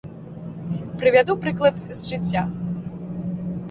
Прывяду прыклад з жыцця.